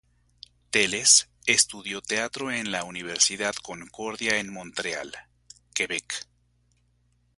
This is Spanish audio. Teles estudió teatro en la Universidad Concordia en Montreal, Quebec.